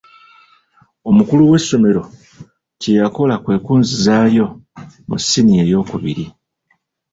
Omukulu w'essomero kye yakola kwe kunzizaayo mu siniya eyookubiri.